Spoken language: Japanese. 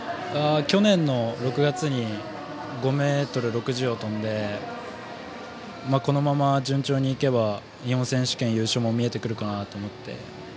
去年６月に５ｍ６０を跳んでこのまま順調に行けば日本選手権優勝も見えてくるかなと思って。